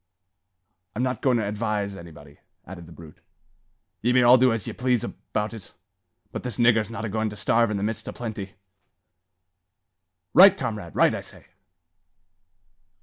"I'm not goin' to advise anybody," added the brute. "Ye may all do as ye please about it; but this niggur's not a goin' to starve in the midst o' plenty." "Right, comrade! right, I say."